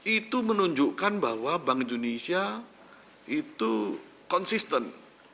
itu menunjukkan bahwa bank indonesia itu konsisten